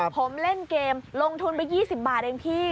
ผมเล่นเกมลงทุนไป๒๐บาทเองพี่